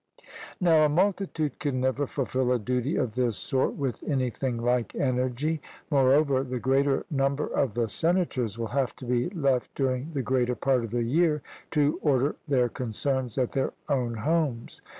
Now a multitude can never fulfil a duty of this sort with anything like energy. Moreover, the greater number of the senators will have to be left during the greater part of the year to order their concerns at their own homes.